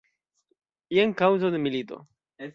Jen kaŭzo de milito.